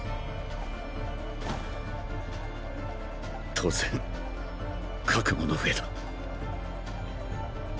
当然覚悟の上だ。